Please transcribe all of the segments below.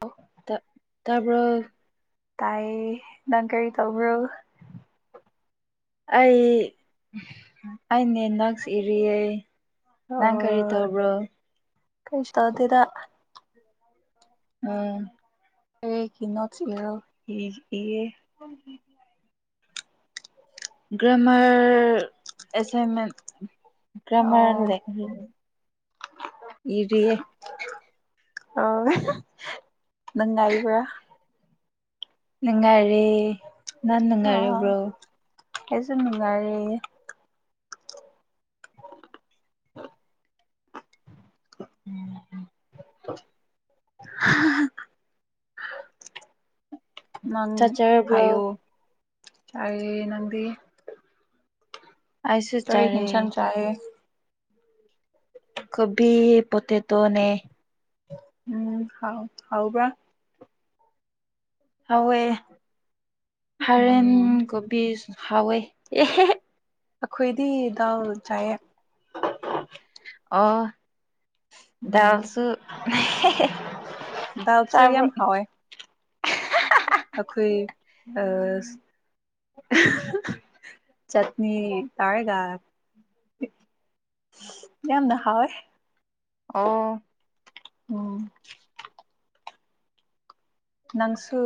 ꯑꯣ ꯇꯥꯄ ꯇꯥꯏꯌꯦ ꯅꯪ ꯀꯔꯤ ꯇꯧꯕ꯭ꯔꯣ ꯑꯩ -ꯑꯩ ꯅꯦꯅꯛꯁ ꯏꯔꯤꯌꯦ ꯅꯪ ꯀꯔꯤ ꯑꯣ ꯇꯧꯕ꯭ꯔꯣ ꯀꯩꯁꯨ ꯇꯧꯗꯦꯗ ꯎꯝ ꯑꯩ ꯀꯤꯅꯣꯠꯁ ꯏꯔ -ꯏꯈꯤꯌꯦ ꯒ꯭ꯔꯃꯥꯔ ꯑꯦꯁꯥꯏꯟꯃꯦꯟ ꯑꯣ ꯒ꯭ꯔꯃꯥꯔ ꯂꯩꯏ ꯏꯔꯤꯑꯦ ꯑꯥ [unintelligible] ꯅꯨꯡꯉꯥꯏꯕ꯭ꯔꯥ ꯅꯨꯡꯉꯥꯏꯔꯦ ꯅꯪ ꯑꯥ ꯅꯨꯡꯉꯥꯏꯔꯕ꯭ꯔꯣ ꯑꯩꯁꯨ ꯅꯨꯡꯉꯥꯏꯔꯦ [inaudible] ꯃꯪ ꯆꯥꯛ ꯆꯥꯔꯕ꯭ꯔꯣ ꯍꯥꯏꯌꯣ ꯇꯥꯏꯌꯦ ꯅꯪꯗꯤ ꯑꯩꯁꯨ ꯀꯔꯤ ꯆꯥꯔꯦ ꯍꯤꯡꯁꯟ ꯆꯥꯏꯌꯦ ꯀꯣꯕꯤ ꯄꯣꯇꯦꯇꯣ ꯅꯦ ꯎꯝ ꯍꯥꯎ ꯍꯥꯎꯕ꯭ꯔ ꯍꯥꯎꯋꯦ ꯍꯔꯦꯟ ꯎꯝ ꯀꯣꯕꯤꯁ ꯍꯥꯎꯋꯦ [unintelligible] ꯑꯈꯣꯏꯗꯤ ꯗꯥꯜ ꯆꯥꯏꯌꯦ ꯑꯣ ꯎꯝ ꯗꯥꯜꯁꯨ [unintelligible] ꯗꯥꯜꯁꯨ ꯆꯥꯕ꯭ꯔꯣ ꯌꯥꯝ ꯍꯥꯎꯋꯦ ꯑꯈꯨꯏ ꯑꯁ [unintelligible] ꯆꯠꯅꯤ ꯇꯥꯔꯒ ꯌꯥꯝꯅ ꯍꯥꯎꯋꯦ ꯑꯣ ꯎꯝ ꯅꯪꯁꯨ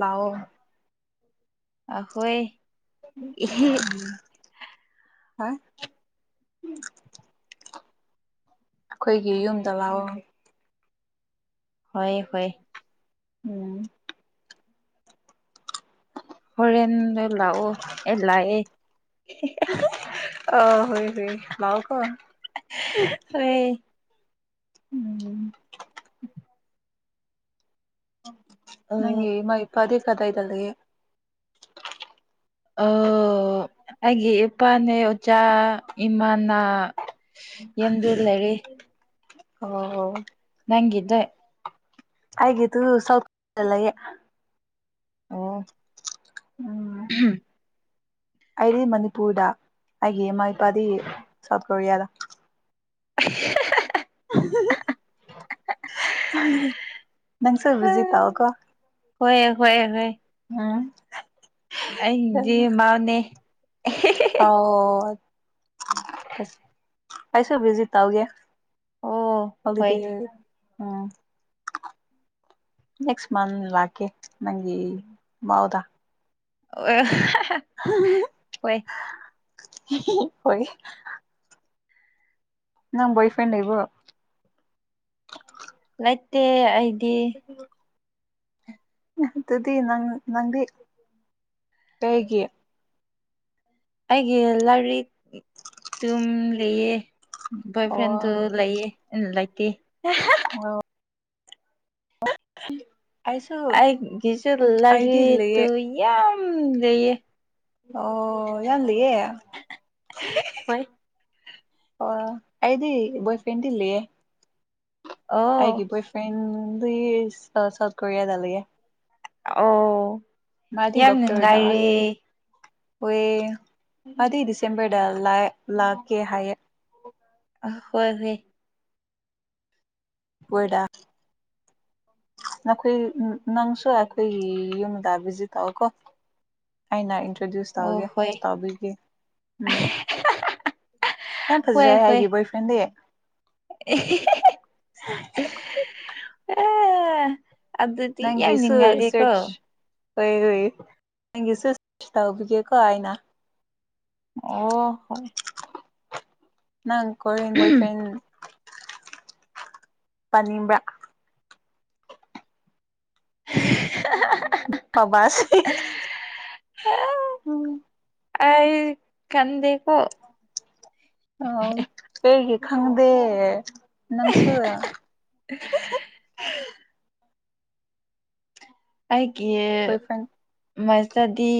ꯂꯥꯑꯣ ꯑ ꯍꯨꯏ [unintelligible] ꯍꯥ ꯑꯈꯣꯏꯒꯤ ꯌꯨꯝꯗ ꯂꯥꯑꯣ ꯍꯣꯏꯌꯦ ꯍꯣꯏ ꯎꯝ ꯍꯣꯔꯦꯟꯗꯣ ꯂꯥꯛꯑꯣ ꯑꯩ ꯂꯥꯛꯑꯦ ꯏ ꯍꯦ ꯍꯦ [unintelligible] ꯑ ꯍꯣꯏ ꯍꯣꯏ ꯂꯑꯣ ꯀꯣ [unintelligible] ꯍꯣꯏ ꯎꯝ [inaudible] ꯑ ꯅꯪꯒꯤ ꯏꯃꯥ ꯏꯄꯥꯗꯤ ꯀꯗꯥꯏꯗ ꯂꯩꯌꯦ ꯑ ꯑꯩꯒꯤ ꯏꯄꯥꯅꯦ ꯑꯣꯖꯥ ꯏꯃꯥꯅꯥ ꯑꯣ ꯅꯪꯒꯗ ꯑꯩꯒꯤꯗꯨ [unintelligible] ꯑꯣ ꯎꯝ [unintelligible] ꯑꯩꯗꯤ ꯃꯅꯤꯄꯨꯔꯗ ꯑꯩꯒꯤ ꯏꯃꯥ ꯏꯄꯥꯗꯤ ꯁꯥꯎꯠ ꯀꯣꯔꯤꯌꯥꯗ [unintelligible] ꯅꯪꯁꯨ ꯕꯤꯖꯤ ꯇꯥꯎꯑꯣꯀꯣ ꯍꯣꯏꯌꯦ ꯍꯣꯏꯌꯦ ꯍꯣꯏ ꯎꯝ ꯑꯩꯗꯤ ꯃꯥꯅꯦ ꯑꯥꯎ [unintelligible] ꯄꯁ ꯑꯩꯁꯨ ꯚꯤꯖꯤꯠ ꯇꯧꯒꯦ ꯑꯣ ꯍꯣꯏ ꯍꯣꯂꯤꯗꯦ ꯎꯝ [unintelligible] ꯅꯦꯛꯁ ꯃꯟ ꯂꯥꯛꯀꯦ ꯅꯪꯒꯤ ꯃꯣꯜꯗ ꯑꯣ ꯍꯥ ꯍꯥ [unintelligible] ꯍꯤꯍꯤꯍꯤ ꯍꯣꯏ ꯅꯪ ꯕꯣꯏꯐ꯭ꯔꯦꯟ ꯂꯩꯕ꯭ꯔꯣ ꯂꯩꯇꯦ ꯑꯩꯗꯤ ꯎꯝ ꯑꯗꯨꯗꯤ ꯅꯪ ꯅꯪꯗꯤ ꯀꯩꯒꯤ ꯑꯩꯒꯤ ꯂꯥꯏꯔꯤꯛ ꯇꯝ ꯂꯩꯌꯦ ꯑꯣ ꯕꯣꯏꯐ꯭ꯔꯦꯟꯗꯨ ꯂꯩꯌꯦ ꯂꯩꯇꯦ ꯑꯣ [inaudible] ꯑꯩꯒꯤꯁꯨꯨ ꯑꯩꯗꯤ ꯂꯩꯌꯦ ꯂꯔꯤꯛꯇꯨ ꯌꯥꯝ ꯂꯩꯌꯦ ꯑꯣ ꯌꯥꯝ ꯂꯩꯌꯦ ꯍꯣꯏ ꯑꯣ ꯑꯩꯗꯤ ꯕꯣꯏꯐ꯭ꯔꯦꯟꯗꯤ ꯂꯩꯌꯦ ꯑꯣ ꯑꯩꯒꯤ ꯕꯣꯏꯐ꯭ꯔꯦꯟꯗꯤ ꯁꯥꯎꯠ ꯀꯣꯔꯤꯌꯥꯗ ꯂꯩꯌꯦ ꯑꯣ ꯃꯥꯗꯤ ꯌꯥꯝ ꯅꯨꯡꯉꯥꯏꯔꯦ ꯍꯦ ꯑꯗꯨꯗꯤ ꯗꯤꯁꯦꯝꯕꯔꯗ ꯂꯥꯛꯀꯦ ꯍꯥꯏꯌꯦ ꯑ ꯍꯣꯏ ꯍꯣꯏ [unintelligible] ꯅꯈꯣꯏ ꯅꯪꯁꯨ ꯑꯩꯈꯣꯏ ꯌꯨꯝꯗꯕꯤꯁꯤ ꯇꯧꯑꯣꯀꯣ ꯑꯩꯅ ꯏꯟꯇ꯭ꯔꯣꯗ꯭ꯌꯨꯁ ꯑꯣ ꯇꯧꯒꯦ ꯍꯣꯏ ꯇꯧꯕꯒꯦ ꯎꯝ ꯌꯥꯝ ꯍꯣꯏ ꯐꯖꯩ ꯍꯣꯏ ꯑꯩꯒꯤ ꯕꯣꯏꯐ꯭ꯔꯦꯟꯗꯤ [unintelligible] ꯑꯗꯨꯗꯤ ꯌꯥꯝ ꯅꯪꯒꯤꯁꯨ ꯅꯨꯡꯉꯥꯏꯔꯦꯀꯣ ꯁꯔꯆ ꯍꯣꯏ ꯍꯣꯏ ꯅꯪꯒꯤꯁꯨ ꯇꯧꯕꯤꯒꯦꯀꯣ ꯑꯩꯅ ꯑꯣ ꯍꯣꯏ ꯅꯪ ꯀꯣꯔꯦꯟ ꯕꯣꯏꯐ꯭ꯔꯦꯟ ꯄꯥꯝꯕ꯭ꯔꯥ [inaudible] ꯄꯕꯥꯁꯤ ꯎꯝ ꯑꯩ ꯀꯟꯗꯦꯀꯣ ꯑ ꯀꯦꯒꯤ ꯈꯪꯗꯦ ꯅꯪꯁꯨ ꯑꯩꯒꯤ ꯕꯣꯏ ꯐ꯭ꯔꯦꯟ ꯃꯁꯇꯗꯤ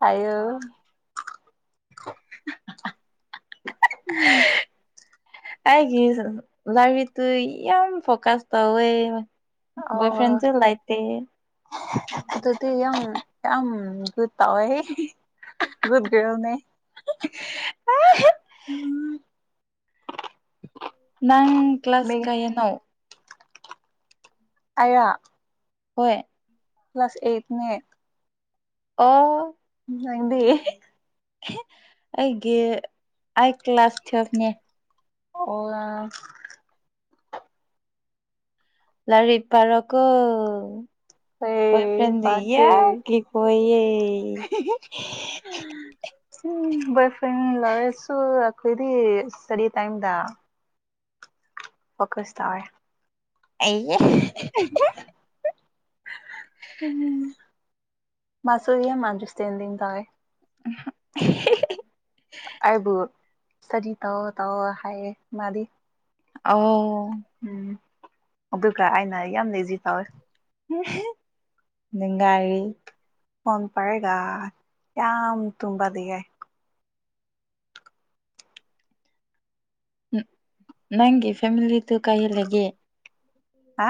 ꯑꯣ ꯑꯩꯒꯤ ꯂꯔꯤꯛꯇꯨ ꯌꯥꯝ ꯐꯣꯀꯁ ꯇꯧꯋꯦ ꯑꯣ ꯣꯣꯏ ꯐ꯭ꯔꯦꯟ ꯆ ꯂꯥꯛꯑꯠꯇꯦ ꯑꯗꯨꯗꯤ ꯌꯥꯝ ꯌꯥꯝ ꯒꯨꯗ ꯇꯧꯋꯦ ꯒꯨꯗ ꯒꯔꯜꯅꯦ ꯎꯝ ꯅꯪ ꯀ꯭ꯂꯁ ꯃꯤ ꯀꯥꯏꯟꯣ ꯑꯌꯥ ꯍꯣꯏ ꯀ꯭ꯂ꯭ꯂꯥꯁ ꯑꯩꯠꯅꯦ ꯑꯣ ꯎ ꯍꯪꯗꯤ ꯑꯩꯒꯤ ꯑꯥꯏ ꯀ꯭ꯂꯥꯁ ꯊꯤꯕꯅꯦ ꯑꯣ ꯂꯥꯏꯔꯤꯛ ꯄꯔꯣꯀꯣ ꯑꯩ ꯄꯥꯒꯦ [unintelligible] ꯎꯝ ꯕꯣꯏꯐ꯭ꯔꯦꯟ ꯂꯩꯔꯁꯨ ꯈꯣꯏꯗꯤ ꯁꯔꯤ ꯇꯥꯏꯝꯗ [unintelligible] ꯑꯩꯌꯦ [unintelligible] [unintelligible] [unintelligible] ꯑꯩꯕꯨ ꯁꯗꯤ ꯇꯧꯑꯣ ꯇꯧꯑꯣ ꯍꯥꯏꯌꯦ ꯃꯥꯗꯤ ꯑꯣ ꯎꯝ ꯑꯗꯨꯒꯀ ꯑꯩꯅ ꯌꯥꯝꯅ ꯏꯖꯤ ꯇꯧꯋꯦ ꯅꯨꯡꯒꯥꯔꯤ ꯐꯣꯟ ꯄꯔꯦꯒ ꯌꯥꯝꯝ ꯇꯨꯝꯝꯕꯗꯤꯒ ꯅꯪꯒꯤ ꯐꯃꯤꯂꯤꯗꯨ ꯀꯥꯏ ꯂꯩꯒꯦ ꯍꯥ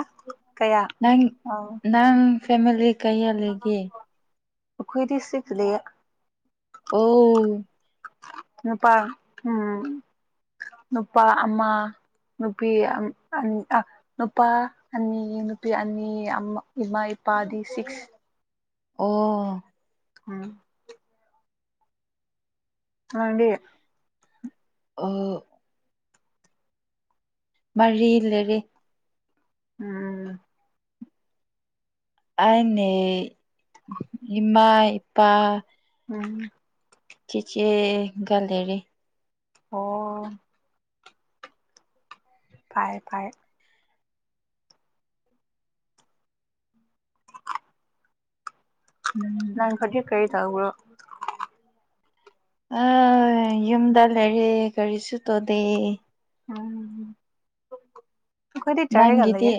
ꯀꯌꯥ ꯅꯪ ꯑꯥꯎ ꯅꯪ ꯐꯦꯃꯤꯂꯤ ꯀꯩꯌꯥ ꯂꯩꯒ ꯄꯨꯈꯣꯏꯗꯤ ꯁꯤ ꯂꯩ ꯑ ꯅꯨꯄꯥ ꯎꯝ ꯅꯨꯄꯥ ꯑꯃ ꯅꯨꯄꯤ ꯅꯨꯄꯥ ꯑꯅꯤ ꯅꯨꯄꯤ ꯑꯅꯤ ꯏꯃꯥ ꯏꯄꯥꯗꯤ ꯁꯤꯛꯁ ꯑꯣ ꯎꯝ ꯃꯪ ꯑ ꯃꯔꯤ ꯂꯩꯔꯤꯦ ꯎꯝ ꯑꯅꯦ ꯏꯃꯥ ꯏꯄꯥ ꯎꯝ ꯆꯆꯦ ꯜꯂꯤꯔꯤ ꯑꯣ ꯄꯥꯏ ꯄꯥꯏ ꯎꯝ ꯅꯪ ꯍꯧꯖꯤꯛ ꯀꯔꯤ ꯇꯧꯕ꯭ꯔꯣ ꯑ ꯌꯨꯝꯗ ꯂꯩꯔꯦ ꯀꯔꯤꯁꯨ ꯇꯧꯗꯦ ꯎꯝ ꯀꯣꯏꯗꯤ ꯆꯥꯦꯒ ꯂꯒ ꯅꯪꯒꯤꯗꯤ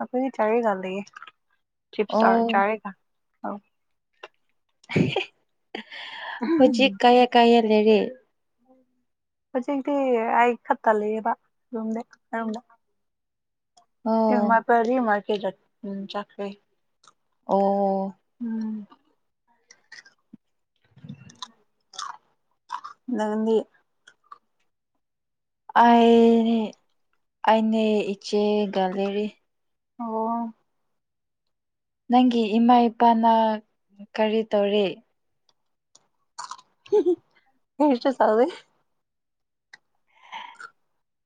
ꯑꯣꯏꯗꯤ ꯆꯥꯔꯦꯒ ꯂꯩꯌꯦ ꯆꯞꯁꯔ ꯑꯣ ꯆꯥꯔꯒ ꯍꯧꯖꯤꯛ ꯀꯌꯥ ꯀꯌꯥ ꯂꯩꯔꯦ ꯍꯧꯖꯤꯛꯇꯤ ꯑꯩ ꯈꯠꯇ ꯂꯩꯑꯕ ꯌꯣꯝꯗꯝ ꯑꯣ ꯃꯥ ꯄꯔꯤ ꯃꯥ ꯀ ꯆ ꯎ ꯆꯀꯔꯤ ꯑꯣ ꯎꯝ ꯅꯪꯗꯤ ꯑꯩꯅꯤ ꯑꯩꯅꯤ ꯏꯆꯦꯒ ꯂꯩꯔꯤ ꯑꯣ ꯅꯪꯒꯤ ꯏꯃꯥ ꯏꯄꯥꯅ ꯀꯔꯤ ꯇꯧꯔꯤ ꯅꯣꯏ ꯏꯆꯦ ꯁꯥꯎꯔꯦ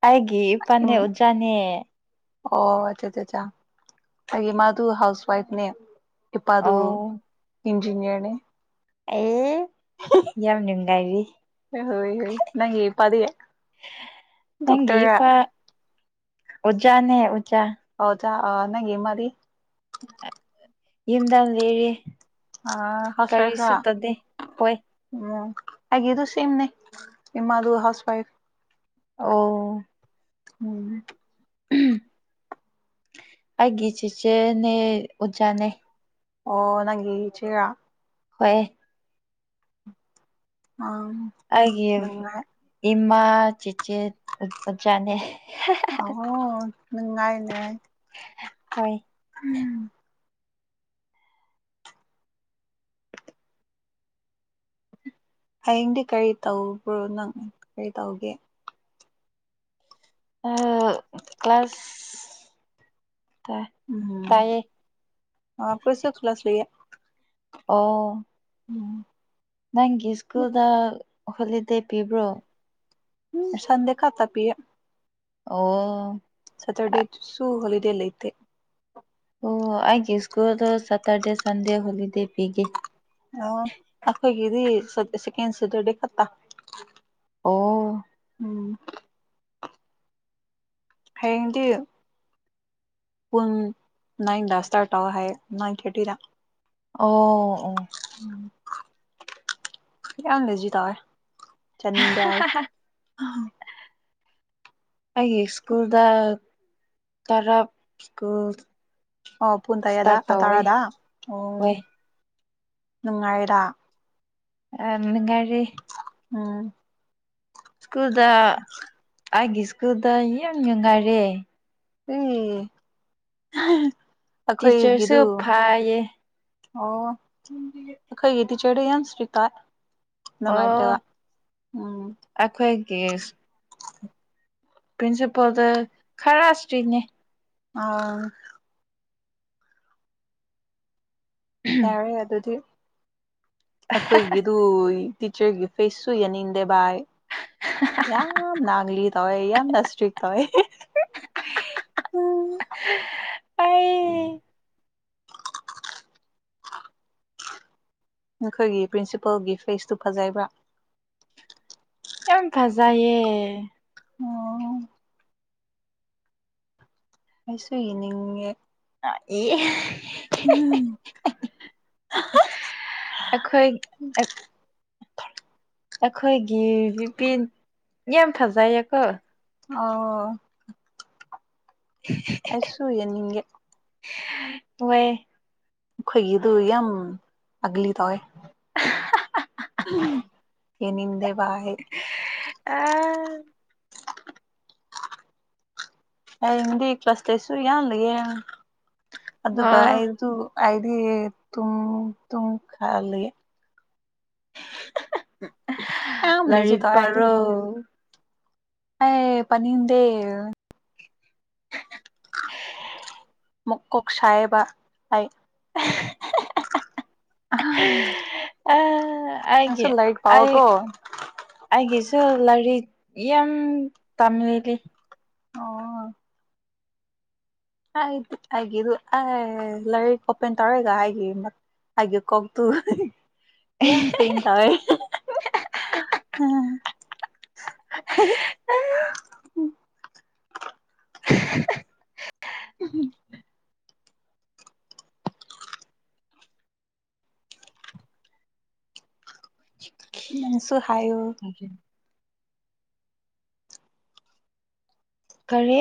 ꯑꯩꯒꯤ ꯏꯐꯝꯗ ꯎꯝ ꯑꯣꯖꯅꯦ ꯑꯣ ꯑꯆꯥ ꯑꯩꯒꯤ ꯃꯥꯗꯨ ꯍꯥꯎꯁ ꯋꯥꯏꯐꯅꯦ ꯏꯄꯥ ꯑ ꯑꯗꯨ ꯑꯧ ꯏꯟꯖꯤꯅꯤꯌꯔꯅꯦ ꯑ ꯍꯣꯏ ꯍ ꯅꯪ ꯄꯗꯤꯒꯦ ꯅꯪꯒꯤꯤ ꯄ ꯑꯣꯖꯥꯅꯦ ꯎꯖꯥ ꯍꯖ ꯅꯪꯦ ꯃꯔꯤ ꯌꯦꯗ ꯑꯥ ꯍꯥꯎꯁ ꯋꯥꯏꯐꯔꯥ ꯍꯣꯏ ꯎꯝ ꯑꯩꯒꯤꯗꯨ ꯁꯦꯝꯅꯤ ꯏꯃꯥꯁꯨ ꯍꯥꯎꯁ ꯋꯥꯏꯐ ꯑꯣ ꯎꯝ ꯑꯩꯒꯤ ꯆꯤꯆꯦꯅꯦ ꯑꯣꯖꯥꯅꯦ ꯑꯣ ꯅꯪꯒꯤ ꯏꯆꯦꯔ ꯍꯣꯏ ꯑ ꯑꯩꯒꯤ ꯏꯃꯥ ꯆꯤꯆꯦ ꯑꯣꯖꯥꯅꯦ ꯑꯣꯍꯣ ꯅꯨꯡꯉꯥꯏ ꯅꯨꯉꯥꯏ ꯍꯣꯏ ꯎꯝ ꯍꯌꯦꯡꯗꯤ ꯀꯔꯤ ꯇꯧꯕ꯭ꯔꯣ ꯅꯪ ꯀꯔꯤ ꯇꯧꯒꯦ ꯑꯥ ꯀ꯭ꯂꯥꯁ ꯇꯥ ꯎꯝ ꯇꯥꯏꯌꯦ ꯑ ꯀꯣꯏꯁꯤꯁꯛ ꯄꯂꯁ ꯁꯨꯏꯌꯦ ꯑꯣ ꯎꯝ ꯅꯪꯒꯤ ꯁ꯭ꯀꯨꯜꯗ ꯍꯣꯂꯤꯗꯦ ꯄꯤꯕ꯭ꯔꯣ ꯎꯝ ꯁꯟꯗꯦ ꯈꯥꯇ ꯄꯤꯌꯦ ꯑꯣ ꯁꯇꯔꯗꯦꯗꯨꯁꯨ ꯍꯣꯂꯤꯗꯦ ꯂꯩꯇꯦ ꯑꯣ ꯑꯩꯒꯤ ꯁ꯭ꯀꯨꯜꯗꯨ ꯁꯇꯔꯗꯦ ꯁꯟꯗꯦ ꯍꯣꯂꯤꯗꯦ ꯄꯤꯒꯦ ꯑ ꯑꯩꯈꯣꯏꯒꯤꯗꯤ ꯁꯠ ꯁꯦꯀꯦꯟ ꯁꯥꯇꯔꯗꯦ ꯈꯛꯇ ꯑꯣ ꯎꯝ ꯍꯌꯦꯡꯗꯤ ꯄꯨꯟ ꯅꯥꯏꯟꯗꯥ ꯁꯇꯥꯔꯠ ꯇꯧ ꯍꯥꯏꯌꯦ ꯅꯥꯏꯟ ꯊꯥꯔꯇꯤꯗ ꯑꯣ ꯑꯣ ꯎꯝ ꯏꯔꯥꯡꯒꯁꯨ ꯇꯧꯋꯦ ꯆꯠꯅꯤꯡꯗꯦ ꯍꯥꯏ ꯑꯥ ꯑꯩꯒꯤ ꯁ꯭ꯀꯨꯜꯗ ꯇꯔꯞ ꯁ꯭ꯀꯨꯜ ꯑꯣ ꯄꯨꯡ ꯇꯔꯦꯠꯗ ꯏꯁꯇꯥꯔꯠ ꯇꯧꯋꯦ ꯑꯇꯥꯔꯗ ꯎ ꯍꯣꯏ ꯅꯨꯡꯉꯥꯏꯗ ꯑꯝ ꯅꯨꯉꯥꯏꯔꯤ ꯎꯝ ꯁ꯭ꯀꯨꯜꯗ ꯑꯩꯒꯤ ꯁ꯭ꯀꯨꯜꯗ ꯌꯥꯝ ꯅꯨꯡꯉꯥꯏꯔꯦ ꯑꯦ [unintelligible] ꯇꯤꯆꯔꯁꯨ ꯑꯩꯈꯣꯏꯒꯤꯗꯨ ꯐꯩꯌꯦ ꯑꯣ ꯑꯈꯣꯏꯒꯤ ꯇꯤꯆꯔꯗꯤ ꯌꯥꯝ ꯏꯁꯇꯥ ꯑꯣ ꯎꯝ ꯑꯈꯣꯏ ꯀꯁ ꯄ꯭ꯔꯤꯟꯁꯤꯄꯥꯜꯗ ꯈꯔ ꯁꯇꯏꯅꯦ ꯑꯥ ꯌꯥꯔꯦ ꯑꯗꯨꯗꯤ ꯑꯩꯈꯣꯏꯒꯤꯗꯨ ꯇꯤꯆꯔꯒꯤ ꯐꯦꯁꯁꯨ ꯌꯥꯅꯤꯡꯗꯦ ꯚꯏ ꯌꯥꯝ ꯅꯥꯒꯂꯤ ꯇꯧꯋꯦ ꯌꯥꯝ ꯏꯁꯇꯤꯛ ꯇꯧꯋꯦ ꯑꯩ ꯅꯈꯣꯏꯒꯤ ꯄ꯭ꯔꯤꯟꯁꯤꯄꯜꯒꯤ ꯐꯦꯁꯇꯨ ꯐꯖꯕ꯭ꯔꯥ ꯎꯝ ꯐꯖꯩꯌꯦ ꯑꯣ ꯑꯩꯁꯨ ꯌꯦꯅꯤꯡꯉꯦ ꯑꯥ ꯌꯦ ꯑꯩꯈꯣꯏ ꯑꯛ ꯑꯈꯣꯏꯒꯤ ꯅꯨꯄꯤ ꯌꯥꯝ ꯐꯖꯩꯌꯦꯀꯣ ꯑꯣ ꯑꯩꯁꯨ ꯌꯦꯅꯤꯡꯒꯦ [unintelligible] ꯍꯣꯏ ꯈꯣꯏꯒꯤꯗꯨ ꯌꯥꯝ ꯑꯒꯂꯤ ꯇꯧꯑ [unintelligible] ꯌꯦꯡꯅꯤꯗꯦꯕ ꯑꯩ ꯑꯥ ꯍꯌꯦꯡꯗꯤ ꯀ꯭ꯂꯥꯁ ꯇꯦꯁꯁꯨ ꯌꯥ ꯂꯩꯌꯦ ꯑꯗꯨꯒ ꯑꯣ ꯑꯩꯗꯨ ꯑꯩꯗꯤ ꯇꯨꯡ ꯇꯨꯡ ꯈ ꯂꯩꯌꯦ [unintelligible] ꯂꯦꯖꯤ ꯂꯔꯤꯛ ꯇꯧꯋꯦ ꯄꯔꯣ ꯑꯦ ꯄꯅꯤꯡꯗꯦ ꯃꯀꯣꯛ ꯁꯥꯏꯑꯕ ꯑꯩ [inaudible] [inaudible] ꯑ ꯑꯩꯒꯤ ꯅꯪꯁꯨ ꯂꯥꯏꯔꯤꯛ ꯑꯩ ꯄꯥꯎꯀꯣ ꯑꯩꯒꯤꯁꯨ ꯂꯥꯏꯔꯤꯛ ꯌꯥꯝ ꯇꯝꯂꯤ ꯑꯣ ꯑ ꯑꯩꯒꯤꯗꯨ ꯑ ꯂꯔꯤꯛ ꯑꯣꯄꯦꯟ ꯇꯧꯔꯦꯒ ꯍꯥꯏꯒꯤ ꯑꯩꯒꯤ ꯀꯣꯛꯇꯨ ꯌꯥ ꯄꯦꯟ ꯇꯧꯑꯦ [unintelligible] [unintelligible] [unintelligible] ꯅꯪꯁꯨ ꯍꯥꯏꯌꯣ [inaudible] ꯀꯔꯤ